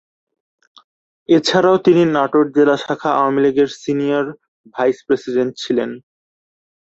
এছাড়াও তিনি নাটোর জেলা শাখা আওয়ামী লীগের সিনিয়র ভাইস প্রেসিডেন্ট ছিলেন।